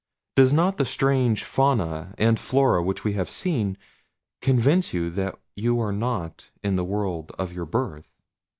Does not the strange fauna and flora which we have seen convince you that you are not in the world of your birth?